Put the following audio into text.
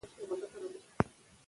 ډیجیټل وسایل د مهارتونو وده کوي.